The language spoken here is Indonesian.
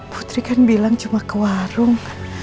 putri kan bilang cuma ke warung